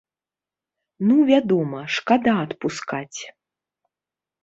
Ну, вядома шкада адпускаць.